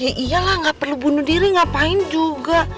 ya iyalah gak perlu bunuh diri ngapain juga